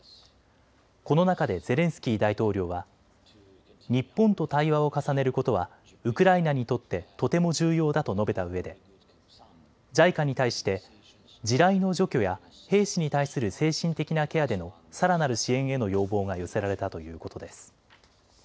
この中でゼレンスキー大統領は日本と対話を重ねることはウクライナにとってとても重要だと述べたうえでＪＩＣＡに対して地雷の除去や兵士に対する精神的なケアでのさらなる支援への要望が寄せられたということです。